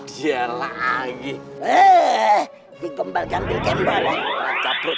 jalan lagi eh dikembal kembal kembal kembal